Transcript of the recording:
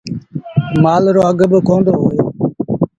مآل رو اگھ باڪوندو هوئي۔